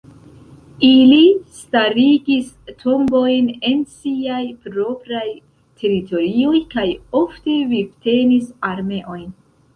Ili starigis tombojn en siaj propraj teritorioj kaj ofte vivtenis armeojn.